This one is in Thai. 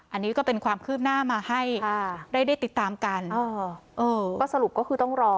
อันนี้ก็เป็นความคืบหน้ามาให้ได้ติดตามกันก็สรุปก็คือต้องรอ